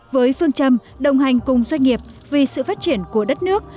với phương châm đồng hành cùng doanh nghiệp vì sự phát triển của đất nước